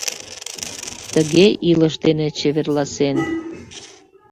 Тыге илыш дене чеверласен...